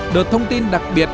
đợt thông tin đặc biệt